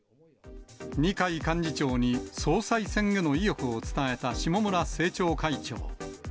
二階幹事長に総裁選への意欲を伝えた下村政調会長。